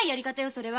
それは！